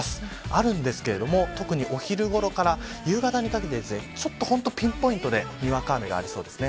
あるんですが特にお昼ごろから夕方にかけて本当にピンポイントでにわか雨がありそうです。